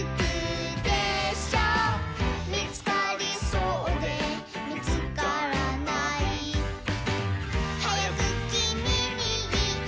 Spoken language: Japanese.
「みつかりそうでみつからない」「はやくキミにいいたいよ」